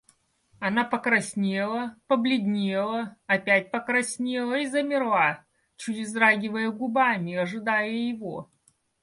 Она покраснела, побледнела, опять покраснела и замерла, чуть вздрагивая губами, ожидая его.